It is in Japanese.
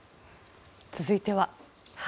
続いては。